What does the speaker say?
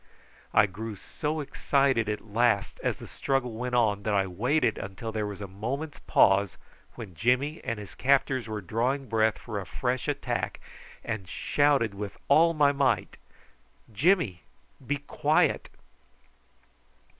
I grew so excited at last as the struggle went on that I waited till there was a moment's pause when Jimmy and his captors were drawing breath for a fresh attack, and shouted with all my might "Jimmy! be quiet!"